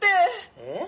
えっ？